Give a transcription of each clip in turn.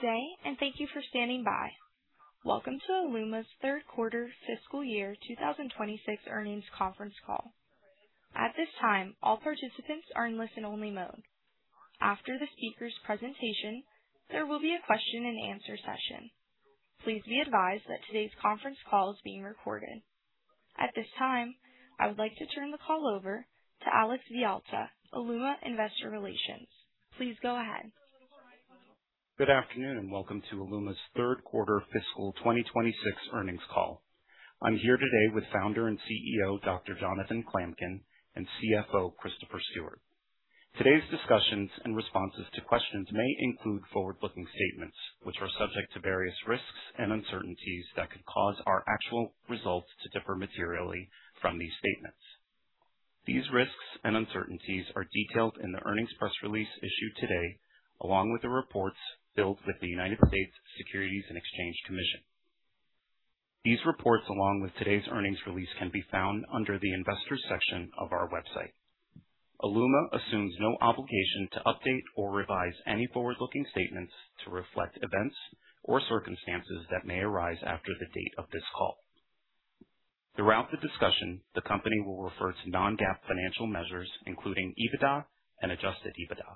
Good day, thank you for standing by. Welcome to Aeluma's third quarter fiscal year 2026 earnings conference call. At this time, all participants are in listen-only mode. After the speaker's presentation, there will be a question and answer session. Please be advised that today's conference call is being recorded. At this time, I would like to turn the call over to Alex Villalta, Aeluma Investor Relations. Please go ahead. Good afternoon, and welcome to Aeluma's third quarter fiscal 2026 earnings call. I'm here today with Founder and CEO, Dr. Jonathan Klamkin, and CFO Christopher Stewart. Today's discussions and responses to questions may include forward-looking statements, which are subject to various risks and uncertainties that could cause our actual results to differ materially from these statements. These risks and uncertainties are detailed in the earnings press release issued today, along with the reports filed with the United States Securities and Exchange Commission. These reports, along with today's earnings release, can be found under the Investors section of our website. Aeluma assumes no obligation to update or revise any forward-looking statements to reflect events or circumstances that may arise after the date of this call. Throughout the discussion, the company will refer to non-GAAP financial measures, including EBITDA and adjusted EBITDA.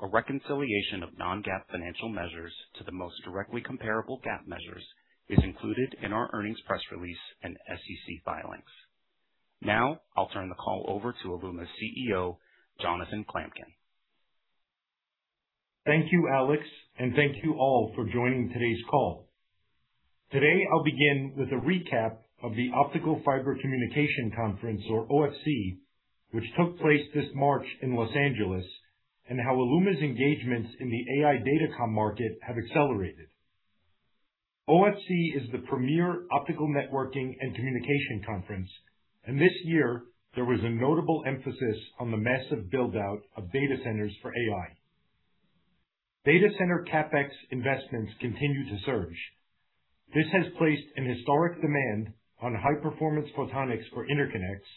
A reconciliation of non-GAAP financial measures to the most directly comparable GAAP measures is included in our earnings press release and SEC filings. Now, I'll turn the call over to Aeluma's CEO, Jonathan Klamkin. Thank you, Alex, and thank you all for joining today's call. Today, I'll begin with a recap of the Optical Fiber Communication Conference, or OFC, which took place this March in Los Angeles, and how Aeluma's engagements in the AI datacom market have accelerated. OFC is the premier optical networking and communication conference, and this year there was a notable emphasis on the massive build-out of data centers for AI. Data center CapEx investments continue to surge. This has placed an historic demand on high-performance photonics for interconnects,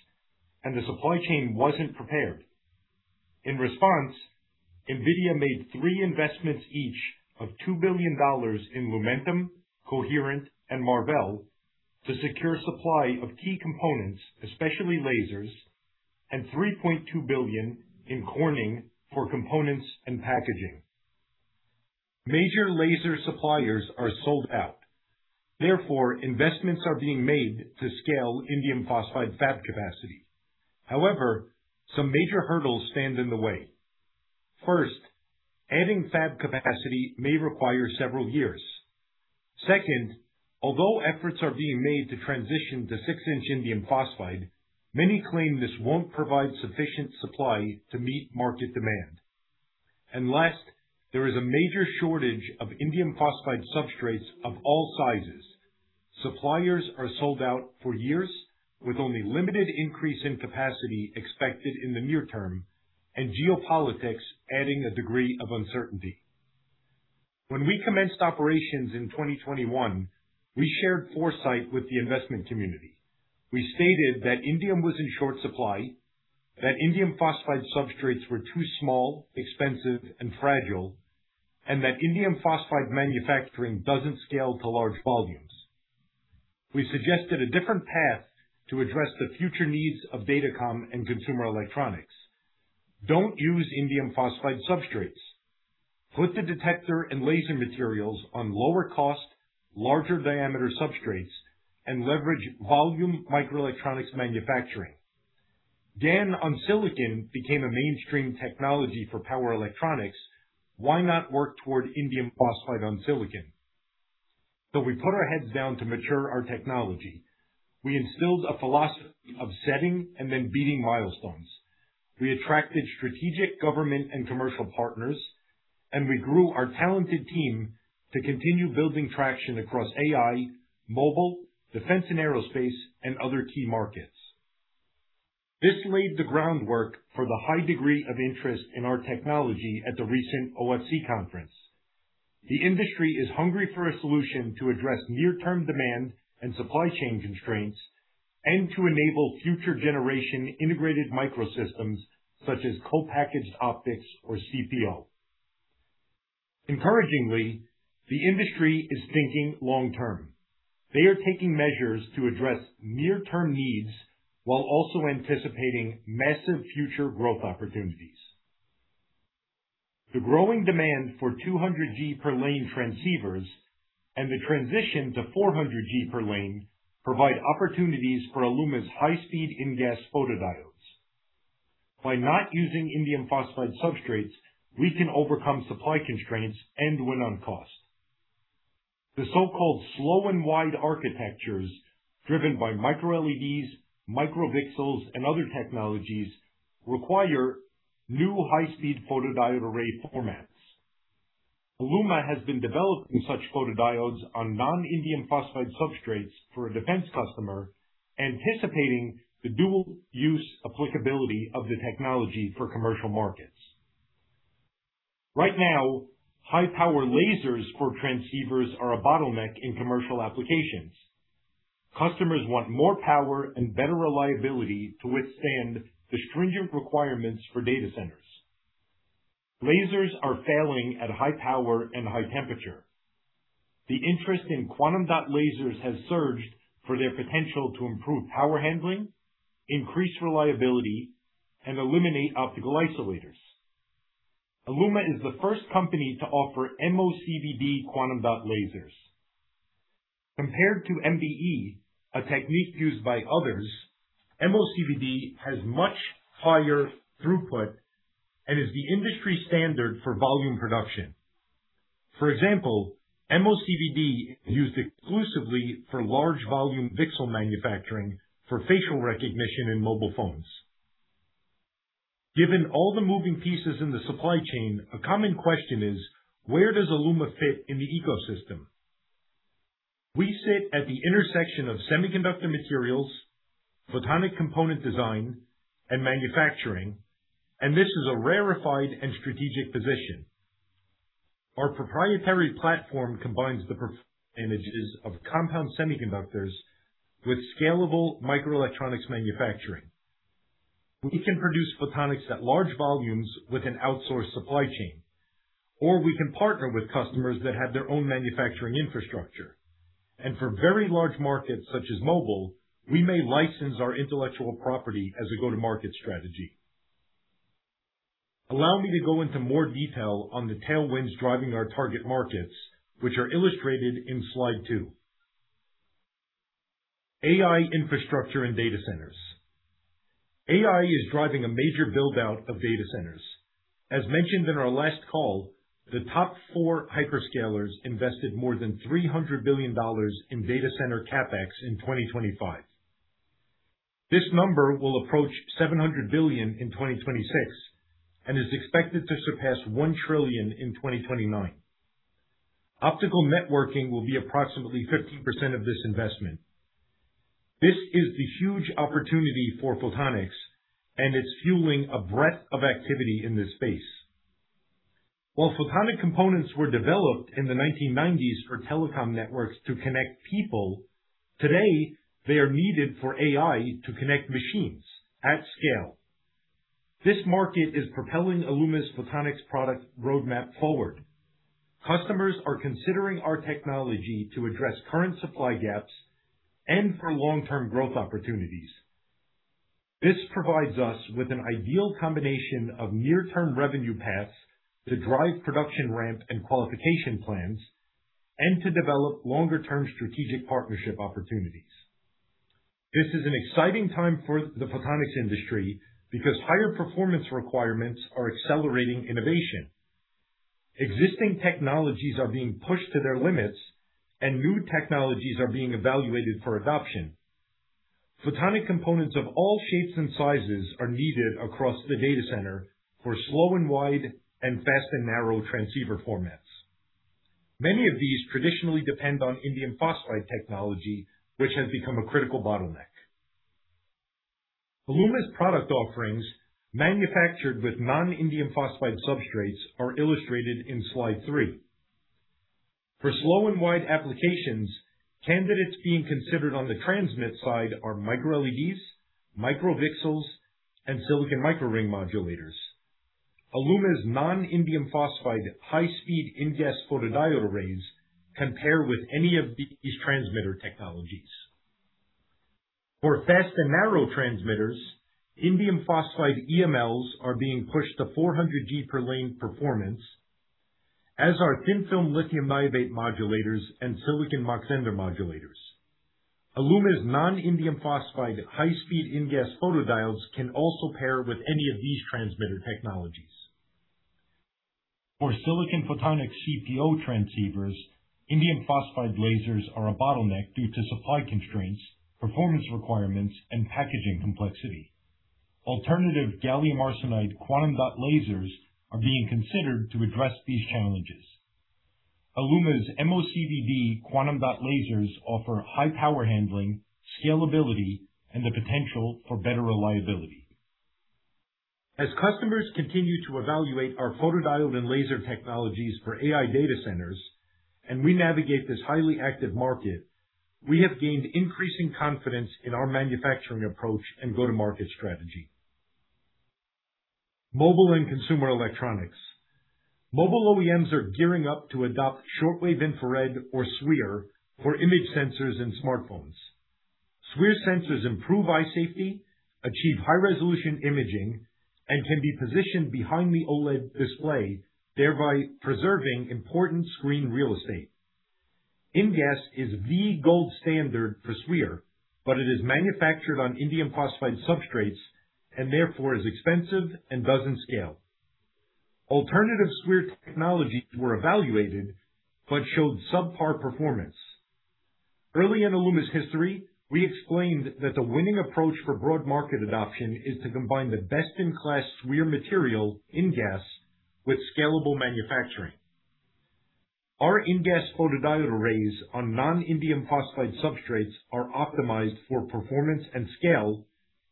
and the supply chain wasn't prepared. In response, NVIDIA made three investments, each of $2 billion in Lumentum, Coherent, and Marvell to secure supply of key components, especially lasers, and $3.2 billion in Corning for components and packaging. Major laser suppliers are sold out. Therefore, investments are being made to scale indium phosphide fab capacity. However, some major hurdles stand in the way. First, adding fab capacity may require several years. Second, although efforts are being made to transition to 6-inch indium phosphide, many claim this won't provide sufficient supply to meet market demand. Last, there is a major shortage of indium phosphide substrates of all sizes. Suppliers are sold out for years with only limited increase in capacity expected in the near term, and geopolitics adding a degree of uncertainty. When we commenced operations in 2021, we shared foresight with the investment community. We stated that indium was in short supply, that indium phosphide substrates were too small, expensive, and fragile, and that indium phosphide manufacturing doesn't scale to large volumes. We suggested a different path to address the future needs of datacom and consumer electronics. Don't use indium phosphide substrates. Put the detector and laser materials on lower cost, larger diameter substrates and leverage volume microelectronics manufacturing. GaN on silicon became a mainstream technology for power electronics. Why not work toward indium phosphide on silicon? We put our heads down to mature our technology. We instilled a philosophy of setting and then beating milestones. We attracted strategic government and commercial partners, and we grew our talented team to continue building traction across AI, mobile, defense and aerospace, and other key markets. This laid the groundwork for the high degree of interest in our technology at the recent OFC conference. The industry is hungry for a solution to address near-term demand and supply chain constraints and to enable future generation integrated microsystems such as co-packaged optics or CPO. Encouragingly, the industry is thinking long term. They are taking measures to address near-term needs while also anticipating massive future growth opportunities. The growing demand for 200G per lane transceivers and the transition to 400G per lane provide opportunities for Aeluma's high-speed InGaAs photodiodes. By not using indium phosphide substrates, we can overcome supply constraints and win on cost. The so-called slow and wide architectures driven by microLEDs, micro VCSELs, and other technologies require new high-speed photodiode array formats. Aeluma has been developing such photodiodes on non-indium phosphide substrates for a defense customer, anticipating the dual use applicability of the technology for commercial markets. Right now, high-power lasers for transceivers are a bottleneck in commercial applications. Customers want more power and better reliability to withstand the stringent requirements for data centers. Lasers are failing at high power and high temperature. The interest in quantum dot lasers has surged for their potential to improve power handling, increase reliability, and eliminate optical isolators. Aeluma is the first company to offer MOCVD quantum dot lasers. Compared to MBE, a technique used by others, MOCVD has much higher throughput and is the industry standard for volume production. For example, MOCVD is used exclusively for large volume VCSEL manufacturing for facial recognition in mobile phones. Given all the moving pieces in the supply chain, a common question is: where does Aeluma fit in the ecosystem? We sit at the intersection of semiconductor materials, photonic component design, and manufacturing, and this is a rarefied and strategic position. Our proprietary platform combines the advantages of compound semiconductors with scalable microelectronics manufacturing. We can produce photonics at large volumes with an outsourced supply chain, or we can partner with customers that have their own manufacturing infrastructure. For very large markets such as mobile, we may license our intellectual property as a go-to-market strategy. Allow me to go into more detail on the tailwinds driving our target markets, which are illustrated in slide two. AI infrastructure and data centers. AI is driving a major build-out of data centers. As mentioned in our last call, the top four hyperscalers invested more than $300 billion in data center CapEx in 2025. This number will approach $700 billion in 2026 and is expected to surpass $1 trillion in 2029. Optical networking will be approximately 15% of this investment. This is the huge opportunity for photonics, and it's fueling a breadth of activity in this space. While photonic components were developed in the 1990s for telecom networks to connect people, today they are needed for AI to connect machines at scale. This market is propelling Aeluma's photonics product roadmap forward. Customers are considering our technology to address current supply gaps and for long-term growth opportunities. This provides us with an ideal combination of near-term revenue paths to drive production ramp and qualification plans and to develop longer-term strategic partnership opportunities. This is an exciting time for the photonics industry because higher performance requirements are accelerating innovation. Existing technologies are being pushed to their limits, and new technologies are being evaluated for adoption. Photonic components of all shapes and sizes are needed across the data center for slow and wide and fast and narrow transceiver formats. Many of these traditionally depend on indium phosphide technology, which has become a critical bottleneck. Aeluma's product offerings manufactured with non-indium phosphide substrates are illustrated in slide three. For slow and wide applications, candidates being considered on the transmit side are microLEDs, micro VCSELs, and silicon microring modulators. Aeluma's non-indium phosphide high-speed InGaAs photodiode arrays can pair with any of these transmitter technologies. For fast and narrow transmitters, indium phosphide EMLs are being pushed to 400G per lane performance, as are thin film lithium niobate modulators and silicon Mach-Zehnder modulators. Aeluma's non-indium phosphide high-speed InGaAs photodiodes can also pair with any of these transmitter technologies. For silicon photonics CPO transceivers, indium phosphide lasers are a bottleneck due to supply constraints, performance requirements, and packaging complexity. Alternative gallium arsenide quantum dot lasers are being considered to address these challenges. Aeluma's MOCVD quantum dot lasers offer high power handling, scalability, and the potential for better reliability. As customers continue to evaluate our photodiode and laser technologies for AI data centers, and we navigate this highly active market, we have gained increasing confidence in our manufacturing approach and go-to-market strategy. Mobile and consumer electronics. Mobile OEMs are gearing up to adopt shortwave infrared or SWIR for image sensors in smartphones. SWIR sensors improve eye safety, achieve high-resolution imaging, and can be positioned behind the OLED display, thereby preserving important screen real estate. InGaAs is the gold standard for SWIR, but it is manufactured on indium phosphide substrates and therefore is expensive and doesn't scale. Alternative SWIR technologies were evaluated but showed subpar performance. Early in Aeluma's history, we explained that the winning approach for broad market adoption is to combine the best-in-class SWIR material, InGaAs, with scalable manufacturing. Our InGaAs photodiode arrays on non-indium phosphide substrates are optimized for performance and scale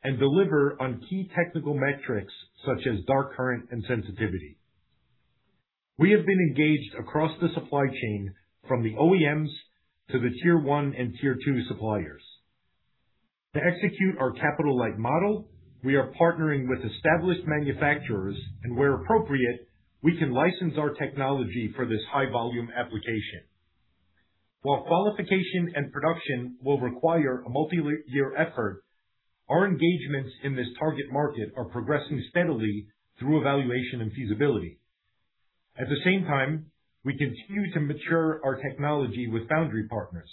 and deliver on key technical metrics such as dark current and sensitivity. We have been engaged across the supply chain from the OEMs to the Tier-1 and Tier-2 suppliers. To execute our capital-light model, we are partnering with established manufacturers and where appropriate, we can license our technology for this high volume application. While qualification and production will require a multi-year effort, our engagements in this target market are progressing steadily through evaluation and feasibility. At the same time, we continue to mature our technology with foundry partners.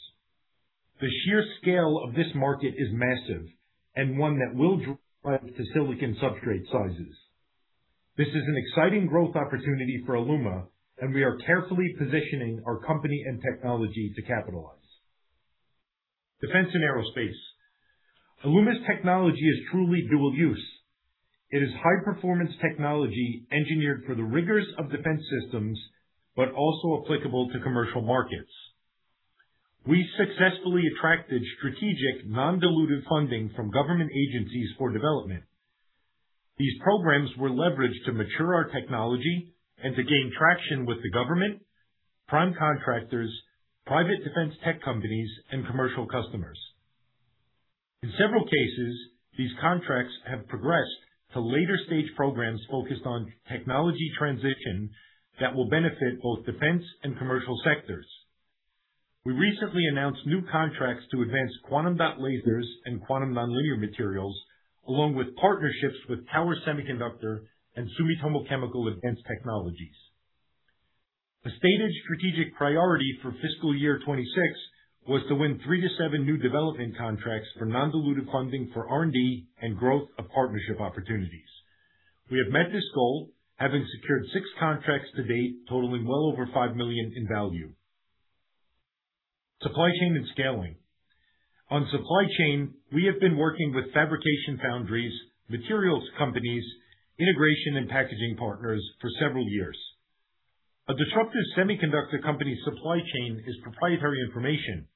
The sheer scale of this market is massive and one that will drive to silicon substrate sizes. This is an exciting growth opportunity for Aeluma, and we are carefully positioning our company and technology to capitalize. Defense and aerospace. Aeluma's technology is truly dual use. It is high performance technology engineered for the rigors of defense systems, but also applicable to commercial markets. We successfully attracted strategic non-dilutive funding from government agencies for development. These programs were leveraged to mature our technology and to gain traction with the government, prime contractors, private defense tech companies, and commercial customers. In several cases, these contracts have progressed to later stage programs focused on technology transition that will benefit both defense and commercial sectors. We recently announced new contracts to advance quantum dot lasers and quantum nonlinear materials, along with partnerships with Tower Semiconductor and Sumitomo Chemical Advanced Technologies. The stated strategic priority for fiscal year 2026 was to win three to seven new development contracts for non-dilutive funding for R&D and growth of partnership opportunities. We have met this goal, having secured six contracts to date totaling well over $5 million in value. Supply chain and scaling. On supply chain, we have been working with fabrication foundries, materials companies, integration and packaging partners for several years. A disruptive semiconductor company's supply chain is proprietary information.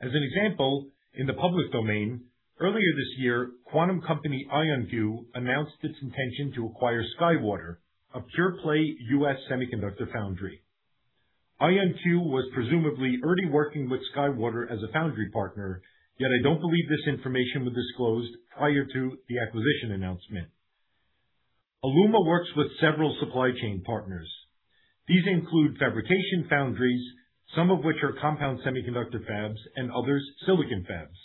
As an example, in the public domain, earlier this year, quantum company IonQ announced its intention to acquire SkyWater, a pure play U.S. semiconductor foundry. IonQ was presumably already working with SkyWater as a foundry partner, yet I don't believe this information was disclosed prior to the acquisition announcement. Aeluma works with several supply chain partners. These include fabrication foundries, some of which are compound semiconductor fabs and others silicon fabs.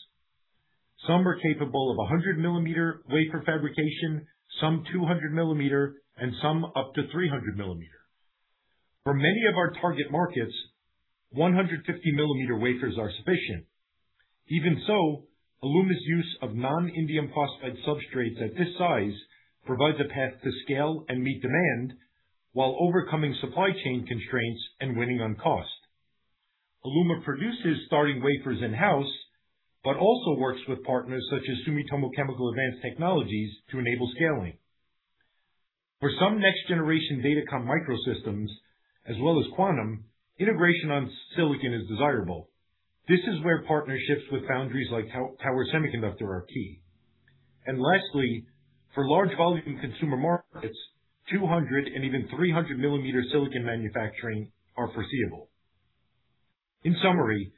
Some are capable of a 100 mm wafer fabrication, some 200 mm, and some up to 300 mm. For many of our target markets, 150 mm wafers are sufficient. Even so, Aeluma's use of non-indium phosphide substrates at this size provides a path to scale and meet demand while overcoming supply chain constraints and winning on cost. Aeluma produces starting wafers in-house, but also works with partners such as Sumitomo Chemical Advanced Technologies to enable scaling. For some next generation datacom microsystems as well as Quantum, integration on silicon is desirable. This is where partnerships with foundries like Tower Semiconductor are key. Lastly, for large volume consumer markets, 200 mm and even 300 mm silicon manufacturing are foreseeable. In summary,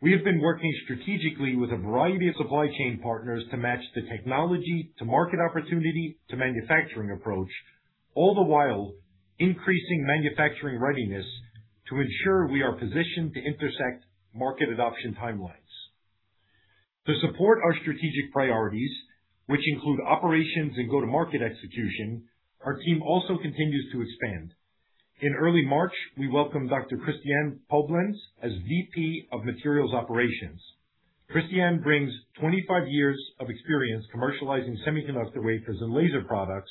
we have been working strategically with a variety of supply chain partners to match the technology to market opportunity to manufacturing approach, all the while increasing manufacturing readiness to ensure we are positioned to intersect market adoption timelines. To support our strategic priorities, which include operations and go-to-market execution, our team also continues to expand. In early March, we welcomed Dr. Christiane Poblenz as VP of Materials Operations. Christiane brings 25 years of experience commercializing semiconductor wafers and laser products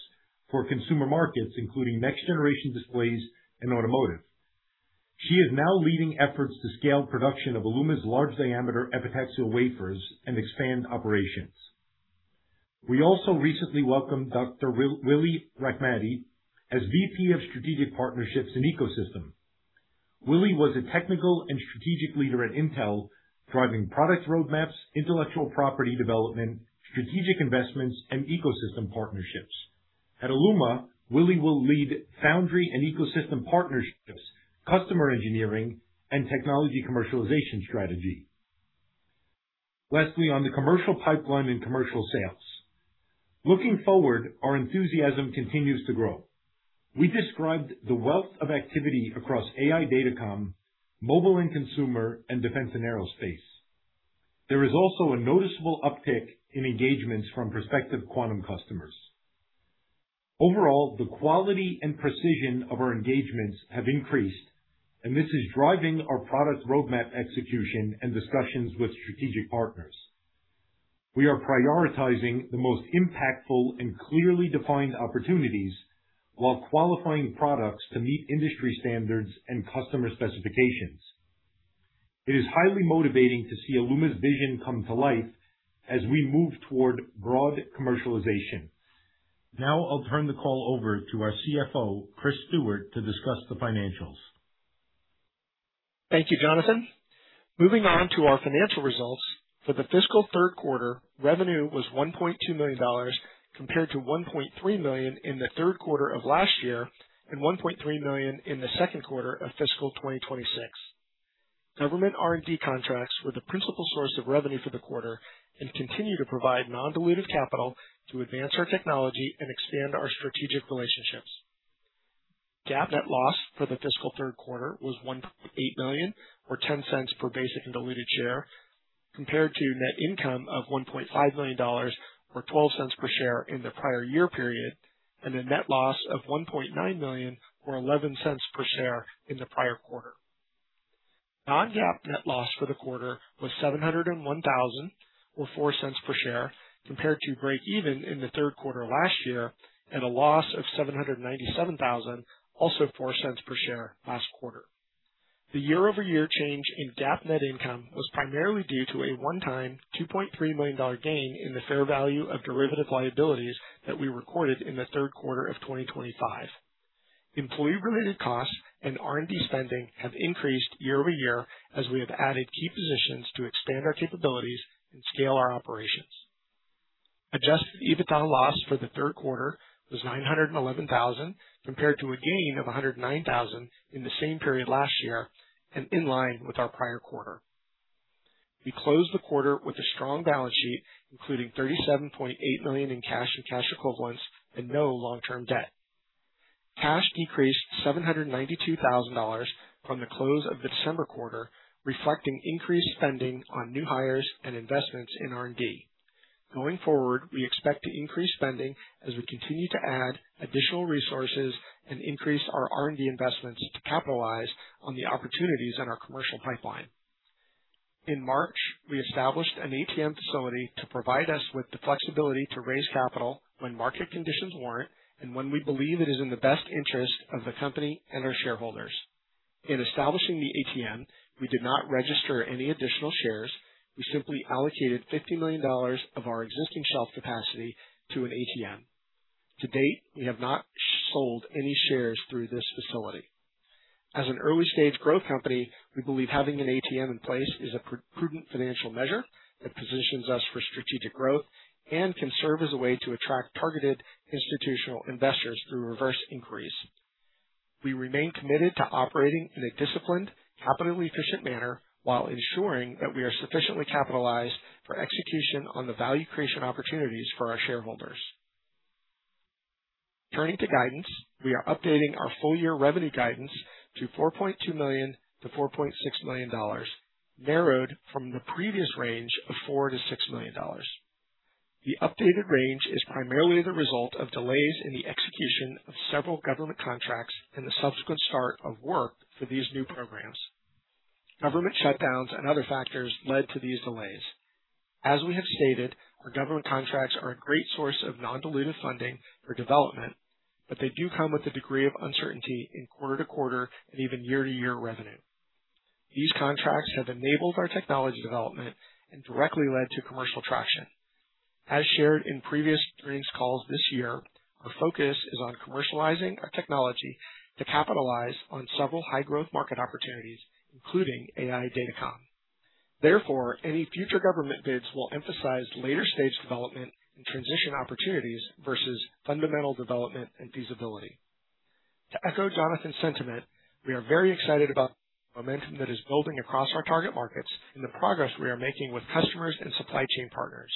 for consumer markets, including next generation displays and automotive. She is now leading efforts to scale production of Aeluma's large diameter epitaxial wafers and expand operations. We also recently welcomed Dr. Willy Rachmady as VP of Strategic Partnerships and Ecosystem. Willy was a technical and strategic leader at Intel, driving product roadmaps, intellectual property development, strategic investments, and ecosystem partnerships. At Aeluma, Willy will lead foundry and ecosystem partnerships, customer engineering, and technology commercialization strategy. Lastly, on the commercial pipeline and commercial sales. Looking forward, our enthusiasm continues to grow. We described the wealth of activity across AI datacom, mobile and consumer, and defense and aerospace. There is also a noticeable uptick in engagements from prospective quantum customers. Overall, the quality and precision of our engagements have increased, and this is driving our product roadmap execution and discussions with strategic partners. We are prioritizing the most impactful and clearly defined opportunities while qualifying products to meet industry standards and customer specifications. It is highly motivating to see Aeluma's vision come to life as we move toward broad commercialization. I'll turn the call over to our CFO, Chris Stewart, to discuss the financials. Thank you, Jonathan. Moving on to our financial results. For the fiscal third quarter, revenue was $1.2 million compared to $1.3 million in the third quarter of last year and $1.3 million in the second quarter of fiscal 2026. Government R&D contracts were the principal source of revenue for the quarter and continue to provide non-dilutive capital to advance our technology and expand our strategic relationships. GAAP net loss for the fiscal third quarter was $1.8 million, or $0.10 per basic and diluted share, compared to net income of $1.5 million, or $0.12 per share in the prior year period, and a net loss of $1.9 million, or $0.11 per share in the prior quarter. Non-GAAP net loss for the quarter was $701,000, or $0.04 per share, compared to breakeven in the third quarter last year and a loss of $797,000, also $0.04 per share last quarter. The year-over-year change in GAAP net income was primarily due to a one-time $2.3 million gain in the fair value of derivative liabilities that we recorded in the third quarter of 2025. Employee-related costs and R&D spending have increased year-over-year as we have added key positions to expand our capabilities and scale our operations. Adjusted EBITDA loss for the third quarter was $911,000, compared to a gain of $109,000 in the same period last year and in line with our prior quarter. We closed the quarter with a strong balance sheet, including $37.8 million in cash and cash equivalents and no long-term debt. Cash decreased $792,000 from the close of the December quarter, reflecting increased spending on new hires and investments in R&D. Going forward, we expect to increase spending as we continue to add additional resources and increase our R&D investments to capitalize on the opportunities in our commercial pipeline. In March, we established an ATM facility to provide us with the flexibility to raise capital when market conditions warrant and when we believe it is in the best interest of the company and our shareholders. In establishing the ATM, we did not register any additional shares. We simply allocated $50 million of our existing shelf capacity to an ATM. To date, we have not sold any shares through this facility. As an early-stage growth company, we believe having an ATM in place is a prudent financial measure that positions us for strategic growth and can serve as a way to attract targeted institutional investors through reverse inquiries. We remain committed to operating in a disciplined, capitally efficient manner while ensuring that we are sufficiently capitalized for execution on the value creation opportunities for our shareholders. Turning to guidance, we are updating our full year revenue guidance to $4.2 million-$4.6 million, narrowed from the previous range of $4 million-$6 million. The updated range is primarily the result of delays in the execution of several government contracts and the subsequent start of work for these new programs. Government shutdowns and other factors led to these delays. As we have stated, our government contracts are a great source of non-dilutive funding for development, but they do come with a degree of uncertainty in quarter to quarter and even year to year revenue. These contracts have enabled our technology development and directly led to commercial traction. As shared in previous earnings calls this year, our focus is on commercializing our technology to capitalize on several high growth market opportunities, including AI datacom. Therefore, any future government bids will emphasize later stage development and transition opportunities versus fundamental development and feasibility. To echo Jonathan's sentiment, we are very excited about the momentum that is building across our target markets and the progress we are making with customers and supply chain partners.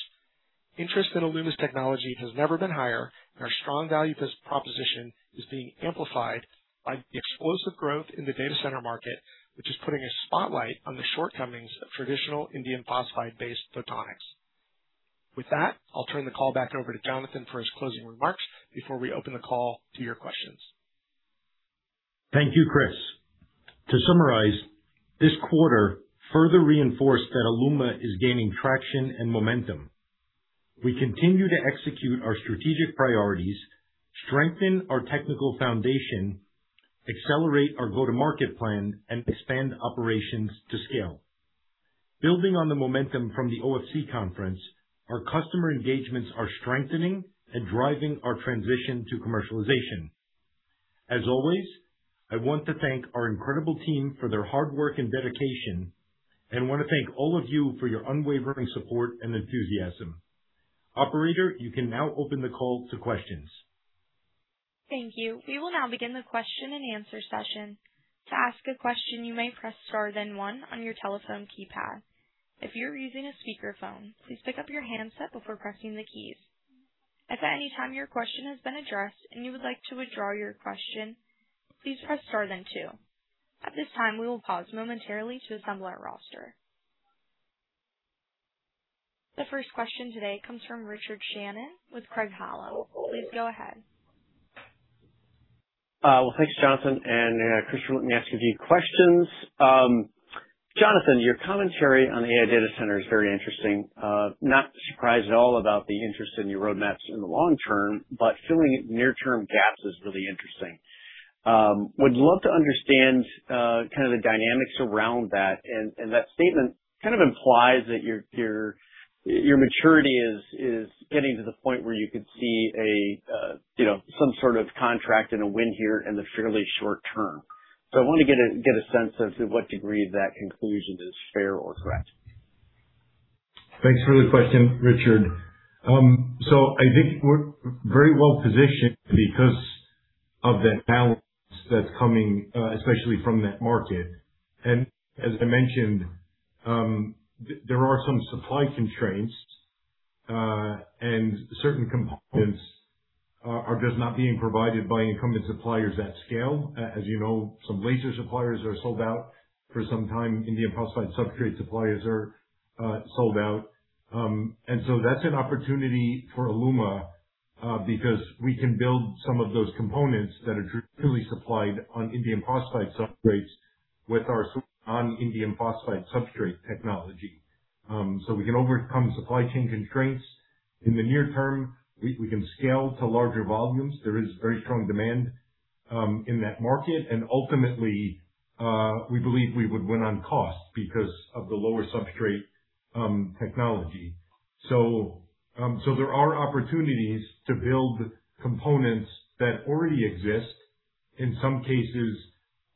Interest in Aeluma's technology has never been higher, and our strong value proposition is being amplified by the explosive growth in the data center market, which is putting a spotlight on the shortcomings of traditional indium phosphide-based photonics. With that, I'll turn the call back over to Jonathan for his closing remarks before we open the call to your questions. Thank you, Chris. To summarize, this quarter further reinforced that Aeluma is gaining traction and momentum. We continue to execute our strategic priorities, strengthen our technical foundation, accelerate our go-to-market plan, and expand operations to scale. Building on the momentum from the OFC conference, our customer engagements are strengthening and driving our transition to commercialization. As always, I want to thank our incredible team for their hard work and dedication, and want to thank all of you for your unwavering support and enthusiasm. Operator, you can now open the call to questions. Thank you. We will now begin the question and answer session. To ask a question you may press star then one on your telephone keypad. If your using a speaker phone, please pick up your handset before pressing the keys. And anytime your question has been addressed and you would like to withdraw your question. Please press star then two. At this time we will pause momentarily to assemble our roster. The first question today comes from Richard Shannon with Craig-Hallum. Please go ahead. Well, thanks, Jonathan and Chris, for letting me ask a few questions. Jonathan, your commentary on the AI data center is very interesting. Not surprised at all about the interest in your roadmaps in the long term, filling near-term gaps is really interesting. Would love to understand kind of the dynamics around that. That statement kind of implies that your maturity is getting to the point where you could see a, you know, some sort of contract and a win here in the fairly short term. I want to get a sense of to what degree that conclusion is fair or correct. Thanks for the question, Richard. I think we're very well positioned because of that balance that's coming, especially from that market. As I mentioned, there are some supply constraints, and certain components are just not being provided by incumbent suppliers at scale. As you know, some laser suppliers are sold out for some time. Indium phosphide substrate suppliers are sold out. That's an opportunity for Aeluma because we can build some of those components that are traditionally supplied on indium phosphide substrates with our on indium phosphide substrate technology. We can overcome supply chain constraints. In the near term, we can scale to larger volumes. There is very strong demand in that market. Ultimately, we believe we would win on cost because of the lower substrate technology. There are opportunities to build components that already exist. In some cases,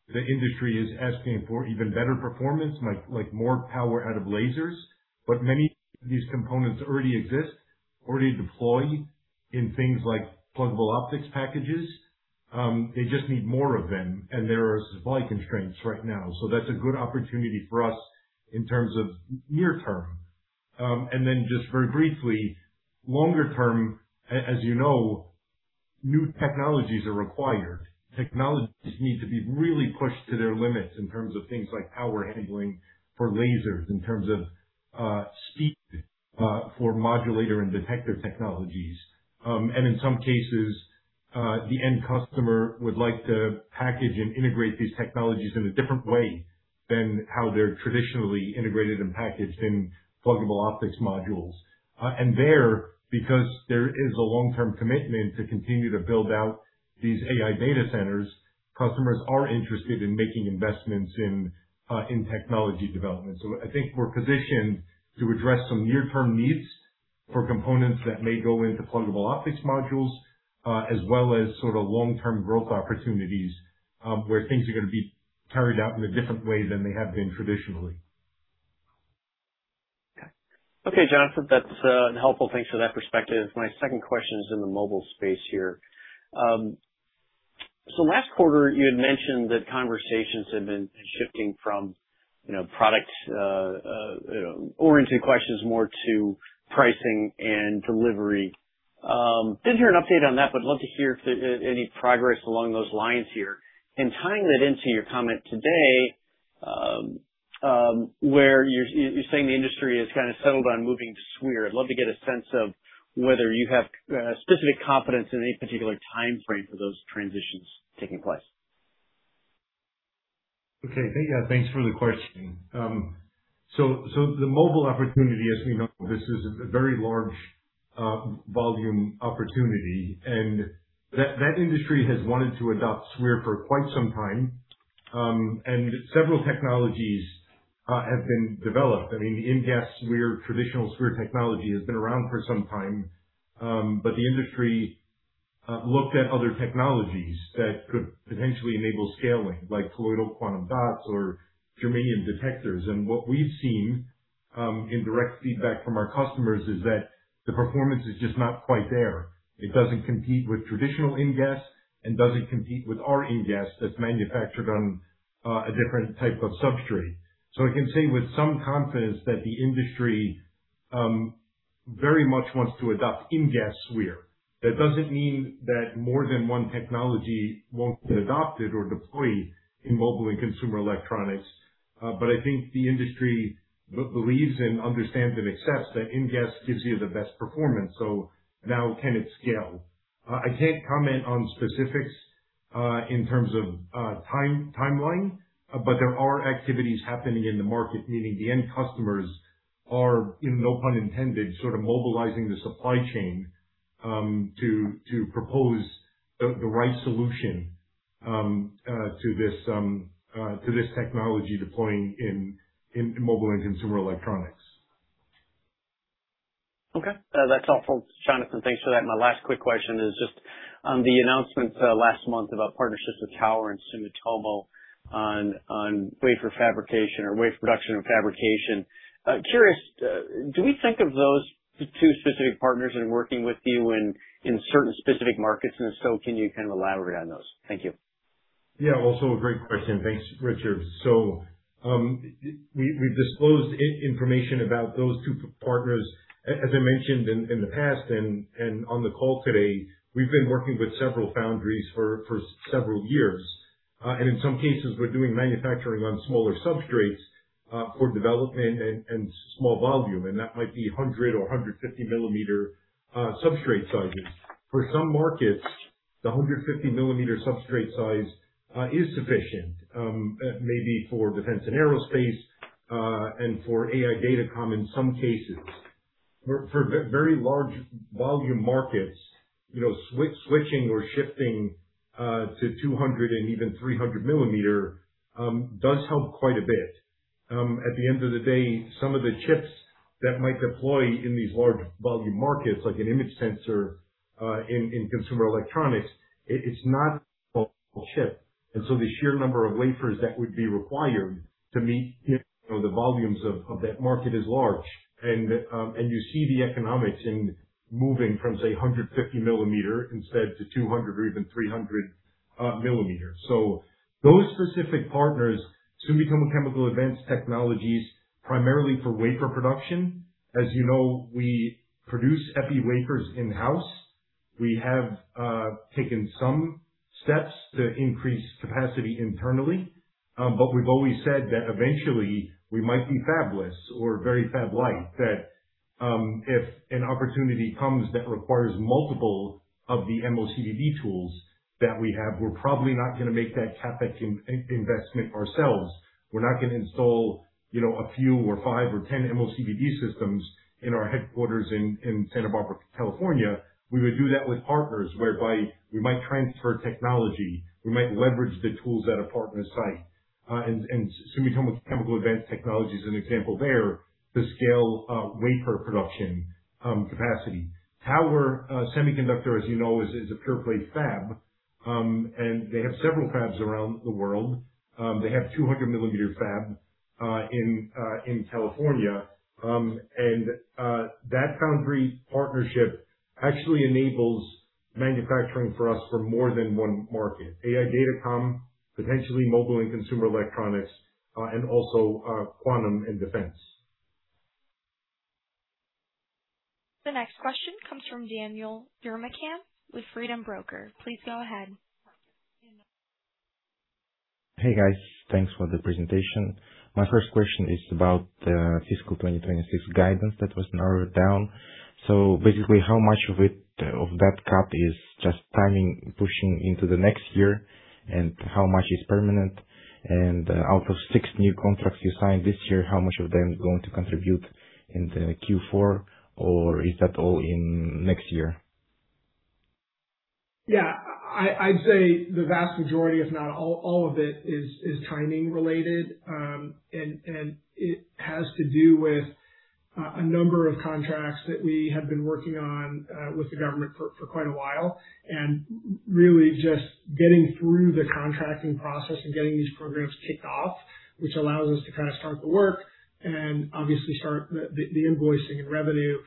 the industry is asking for even better performance, like more power out of lasers. Many of these components already exist, already deployed in things like pluggable optics packages. They just need more of them, and there are supply constraints right now. That's a good opportunity for us in terms of near term. Just very briefly, longer term, as you know, new technologies are required. Technologies need to be really pushed to their limits in terms of things like power handling for lasers, in terms of speed, for modulator and detective technologies. In some cases, the end customer would like to package and integrate these technologies in a different way than how they're traditionally integrated and packaged in pluggable optics modules. Because there is a long-term commitment to continue to build out these AI data centers, customers are interested in making investments in technology development. I think we're positioned to address some near-term needs for components that may go into pluggable optics modules, as well as sort of long-term growth opportunities, where things are gonna be carried out in a different way than they have been traditionally. Okay, Jonathan, that's helpful. Thanks for that perspective. My second question is in the mobile space here. Last quarter you had mentioned that conversations had been shifting from, you know, product oriented questions more to pricing and delivery. Didn't hear an update on that, but I'd love to hear if there any progress along those lines here. Tying that into your comment today, where you're saying the industry has kind of settled on moving to SWIR. I'd love to get a sense of whether you have specific confidence in any particular timeframe for those transitions taking place. Thank you. Thanks for the question. The mobile opportunity, as we know, this is a very large volume opportunity, and that industry has wanted to adopt SWIR for quite some time. Several technologies have been developed. I mean InGaAs SWIR, traditional SWIR technology has been around for some time. The industry looked at other technologies that could potentially enable scaling, like colloidal quantum dots or germanium detectors. What we've seen in direct feedback from our customers is that the performance is just not quite there. It doesn't compete with traditional InGaAs and doesn't compete with our InGaAs that's manufactured on a different type of substrate. I can say with some confidence that the industry very much wants to adopt InGaAs SWIR. That doesn't mean that more than one technology won't get adopted or deployed in mobile and consumer electronics. I think the industry believes and understands and accepts that InGaAs gives you the best performance. Now can it scale? I can't comment on specifics, in terms of timeline, but there are activities happening in the market, meaning the end customers are, in no pun intended, sort of mobilizing the supply chain, to propose the right solution, to this technology deploying in mobile and consumer electronics. Okay. That's all for Jonathan. Thanks for that. My last quick question is just on the announcement, last month about partnerships with Tower and Sumitomo on wafer fabrication or wafer production and fabrication. Curious, do we think of those two specific partners in working with you in certain specific markets? If so, can you kind of elaborate on those? Thank you. Yeah. Also a great question. Thanks, Richard. We've disclosed information about those two partners. As I mentioned in the past and on the call today, we've been working with several foundries for several years. In some cases, we're doing manufacturing on smaller substrates for develop and small volume, and that might be 100 mm or 150 mm substrate sizes. For some markets, the 150 mm substrate size is sufficient, maybe for defense and aerospace, and for AI datacom in some cases. For very large volume markets, you know, switching or shifting to 200 mm and even 300 mm does help quite a bit. At the end of the day, some of the chips that might deploy in these large volume markets, like an image sensor in consumer electronics, it's not a chip. The sheer number of wafers that would be required to meet, you know, the volumes of that market is large. You see the economics in moving from say 150 mm instead to 200 mm or even 300 mm. So those specific partners, Sumitomo Chemical Advanced Technologies, primarily for wafer production. As you know, we produce epi wafers in-house. We have taken some steps to increase capacity internally, but we've always said that eventually we might be fabless or very fab-lite. If an opportunity comes that requires multiple of the MOCVD tools that we have, we're probably not gonna make that CapEx investment ourselves. We're not gonna install, you know, a few or five or 10 MOCVD systems in our headquarters in Santa Barbara, California. We would do that with partners, whereby we might transfer technology, we might leverage the tools at a partner site. And Sumitomo Chemical Advanced Technologies is an example there to scale wafer production capacity. Tower Semiconductor, as you know, is a pure play fab. And they have several fabs around the world. They have 200 mm fab in California. And that foundry partnership actually enables manufacturing for us for more than one market. AI datacom, potentially mobile and consumer electronics, and also quantum and defense. The next question comes from Danial Yermakhan with Freedom Broker. Please go ahead. Hey, guys. Thanks for the presentation. My first question is about fiscal 2026 guidance that was narrowed down. Basically, how much of it of that cut is just timing pushing into the next year, and how much is permanent? Out of six new contracts you signed this year, how much of them going to contribute in the Q4, or is that all in next year? Yeah. I'd say the vast majority, if not all of it is timing related. It has to do with a number of contracts that we have been working on with the government for quite a while, really just getting through the contracting process and getting these programs kicked off, which allows us to kind of start the work and obviously start the invoicing and revenue,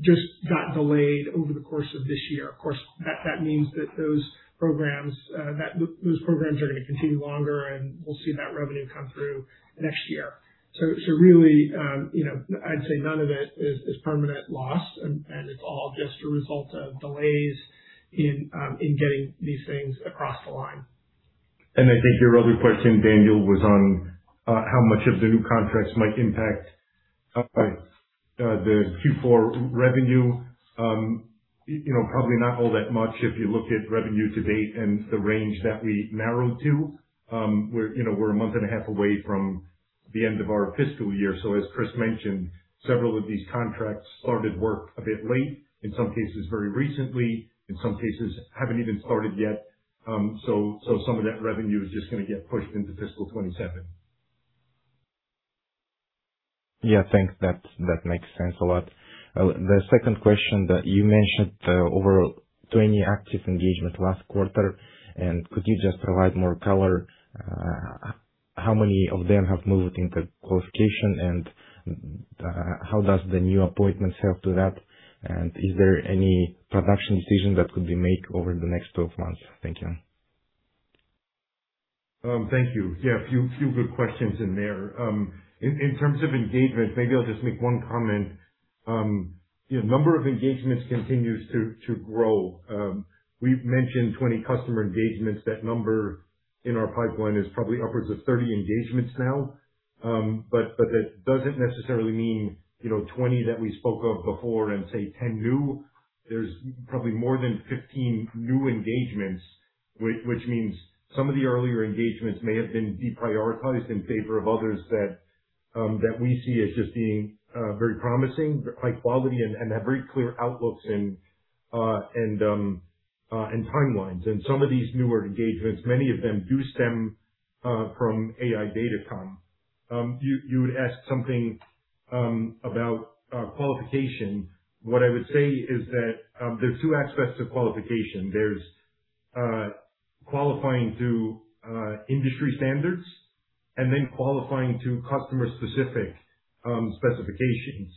just got delayed over the course of this year. Of course, that means that those programs are going to continue longer, and we'll see that revenue come through next year. Really, you know, I'd say none of it is permanent lost and it's all just a result of delays in getting these things across the line. I think your other question, Danial, was on how much of the new contracts might impact the Q4 revenue. You know, probably not all that much if you look at revenue to date and the range that we narrowed to. We're, you know, we're a month and a half away from the end of our fiscal year. As Chris mentioned, several of these contracts started work a bit late, in some cases very recently, in some cases haven't even started yet. Some of that revenue is just gonna get pushed into fiscal 2027. Yeah. Thanks. That makes sense a lot. The second question that you mentioned, over 20 active engagement last quarter, and could you just provide more color, how many of them have moved into qualification, and how does the new appointments help to that? Is there any production decision that could be made over the next 12 months? Thank you. Thank you. Yeah, a few good questions in there. In terms of engagement, maybe I'll just make one comment. The number of engagements continues to grow. We've mentioned 20 customer engagements. That number in our pipeline is probably upwards of 30 engagements now. That doesn't necessarily mean, you know, 20 that we spoke of before and say 10 new. There's probably more than 15 new engagements, which means some of the earlier engagements may have been deprioritized in favor of others that we see as just being very promising, high quality and have very clear outlooks and timelines. Some of these newer engagements, many of them do stem from AI datacom. You had asked something about qualification. What I would say is that there's two aspects to qualification. There's qualifying to industry standards and then qualifying to customer specific specifications.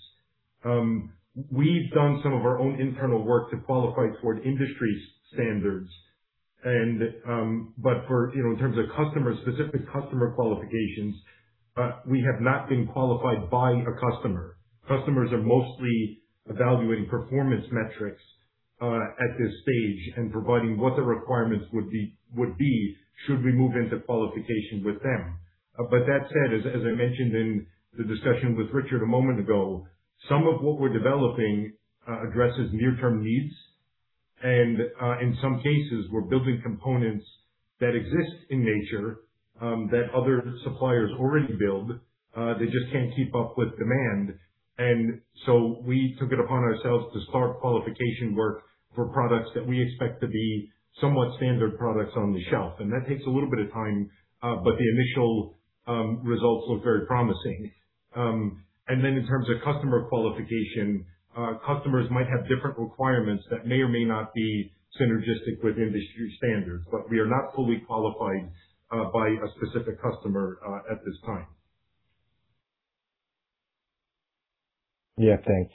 We've done some of our own internal work to qualify toward industry standards and for, you know, in terms of customer, specific customer qualifications, we have not been qualified by a customer. Customers are mostly evaluating performance metrics at this stage and providing what the requirements would be should we move into qualification with them. That said, as I mentioned in the discussion with Richard a moment ago, some of what we're developing addresses near-term needs. In some cases, we're building components that exist in nature that other suppliers already build. They just can't keep up with demand. We took it upon ourselves to start qualification work for products that we expect to be somewhat standard products on the shelf. That takes a little bit of time, but the initial results look very promising. In terms of customer qualification, customers might have different requirements that may or may not be synergistic with industry standards. We are not fully qualified by a specific customer at this time. Yeah. Thanks.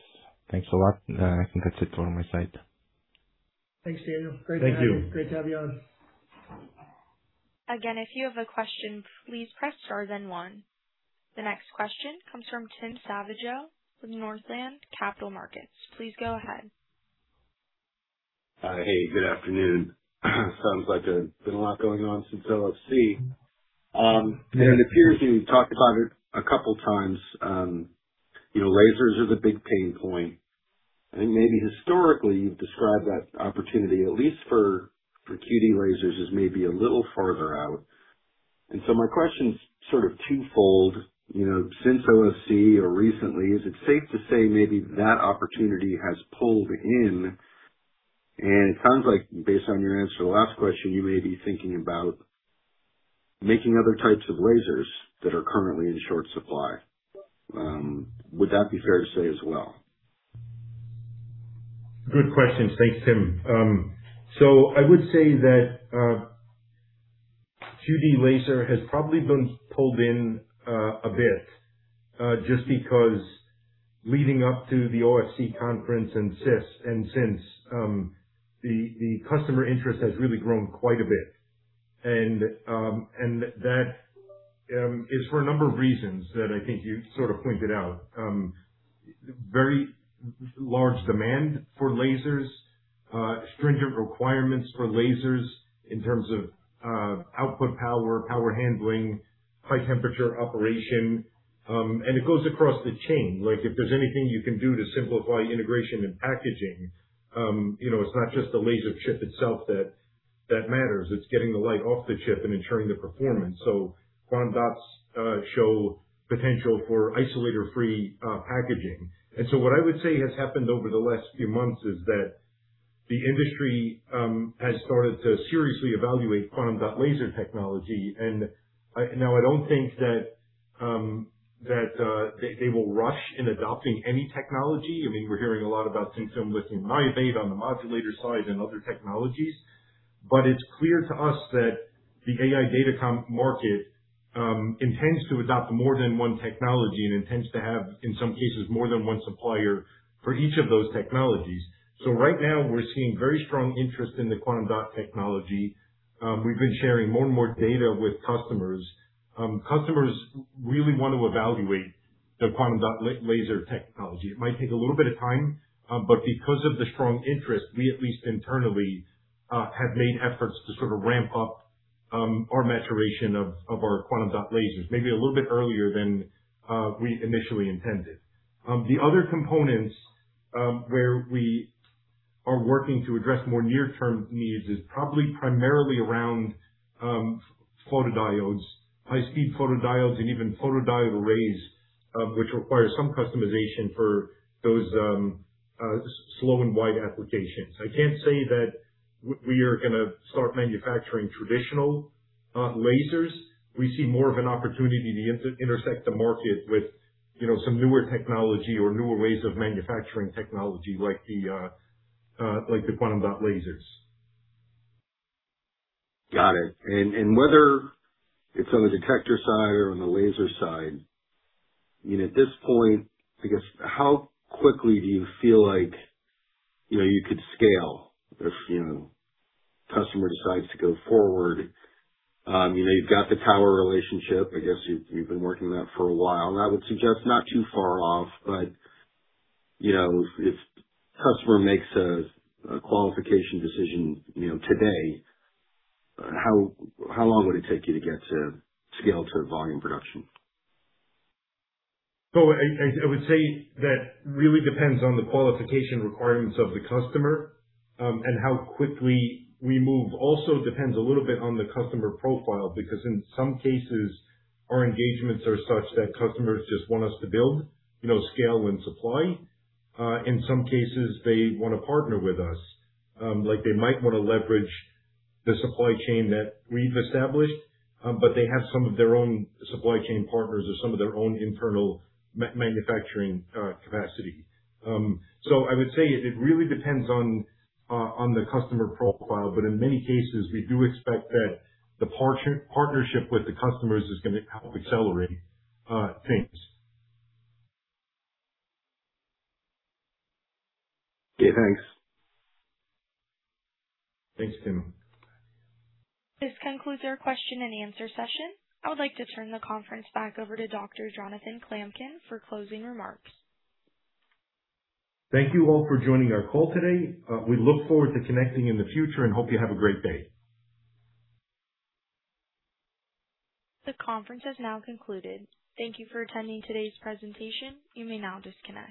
Thanks a lot. I think that's it on my side. Thanks, Danial. Great to have you. Thank you. Great to have you on. Again, if you have a question, please press star then one. The next question comes from Tim Savageaux with Northland Capital Markets. Please go ahead. Hey, good afternoon. Sounds like there's been a lot going on since OFC. It appears you've talked about it a couple times. You know, lasers are the big pain point, and maybe historically, you've described that opportunity, at least for QD lasers as maybe a little farther out. My question is sort of two-fold. You know, since OFC or recently, is it safe to say maybe that opportunity has pulled in? It sounds like based on your answer to the last question, you may be thinking about making other types of lasers that are currently in short supply. Would that be fair to say as well? Good question. Thanks, Tim. I would say that QD laser has probably been pulled in a bit just because leading up to the OFC conference and since, the customer interest has really grown quite a bit. That is for a number of reasons that I think you sort of pointed out. Very large demand for lasers, stringent requirements for lasers in terms of output power handling, high temperature operation. It goes across the chain, like if there's anything you can do to simplify integration and packaging. You know, it's not just the laser chip itself that matters. It's getting the light off the chip and ensuring the performance. Quantum dots show potential for isolator-free packaging. What I would say has happened over the last few months is that the industry has started to seriously evaluate quantum dot laser technology. I don't think that they will rush in adopting any technology. I mean, we're hearing a lot about zinc tungstate and niobate on the modulator side and other technologies. It's clear to us that the AI datacom market intends to adopt more than one technology and intends to have, in some cases, more than one supplier for each of those technologies. Right now, we're seeing very strong interest in the quantum dot technology. We've been sharing more and more data with customers. Customers really want to evaluate the quantum dot laser technology. It might take a little bit of time, but because of the strong interest, we at least internally have made efforts to ramp up our maturation of our quantum dot lasers, maybe a little bit earlier than we initially intended. The other components where we are working to address more near-term needs is probably primarily around photodiodes, high-speed photodiodes and even photodiode arrays, which require some customization for those slow and wide applications. I can't say that we are gonna start manufacturing traditional lasers. We see more of an opportunity to intersect the market with, you know, some newer technology or newer ways of manufacturing technology like the quantum dot lasers. Got it. Whether it's on the detector side or on the laser side, you know, at this point, I guess, how quickly do you feel like, you know, you could scale if, you know, customer decides to go forward? You know, you've got the Tower relationship. I guess you've been working on that for a while. I would suggest not too far off, but, you know, if customer makes a qualification decision, you know, today, how long would it take you to get to scale to volume production? I would say that really depends on the qualification requirements of the customer, and how quickly we move. Also depends a little bit on the customer profile because in some cases our engagements are such that customers just want us to build, you know, scale and supply. In some cases, they wanna partner with us. Like they might wanna leverage the supply chain that we've established, but they have some of their own supply chain partners or some of their own internal manufacturing capacity. I would say it really depends on the customer profile, but in many cases, we do expect that the partnership with the customers is gonna help accelerate things. Yeah. Thanks. Thanks, Tim. This concludes our question and answer session. I would like to turn the conference back over to Dr. Jonathan Klamkin for closing remarks. Thank you all for joining our call today. We look forward to connecting in the future and hope you have a great day. The conference has now concluded. Thank you for attending today's presentation. You may now disconnect.